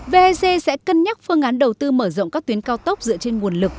vec sẽ cân nhắc phương án đầu tư mở rộng các tuyến cao tốc dựa trên nguồn lực